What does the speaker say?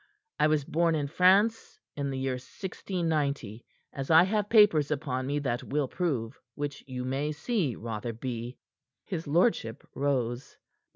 I was born in France, in the year 1690, as I have papers upon me that will prove, which you may see, Rotherby." His lordship rose.